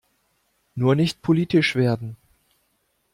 Nur nicht politisch werden!